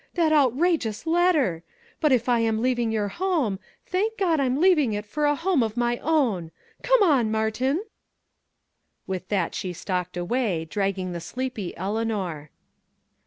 That outrageous letter! But if I am leaving your home, thank God I'm leaving it for a home of my own! Come on, Martin!" With that she stalked away, dragging the sleepy Eleanor.